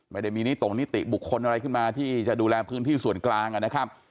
ไม่ได้มีนิตรงนิติบุคคลอะไรขึ้นมาที่จะดูแลพื้นที่ส่วนกลางนะครับ